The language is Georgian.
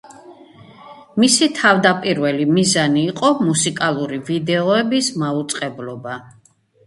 მისი თავდაპირველი მიზანი იყო მუსიკალური ვიდეოების მაუწყებლობა.